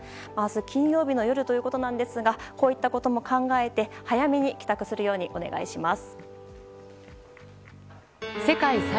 金曜日の夜ということなんですがこういったことも考えて早めの帰宅をお願いします。